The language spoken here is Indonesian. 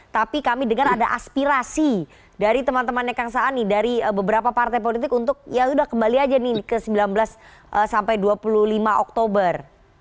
tapi kami dengar ada aspirasi dari teman temannya kang saan nih dari beberapa partai politik untuk yaudah kembali aja nih ke sembilan belas sampai dua puluh lima oktober